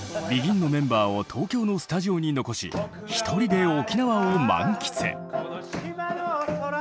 ＢＥＧＩＮのメンバーを東京のスタジオに残しひとりで沖縄を満喫！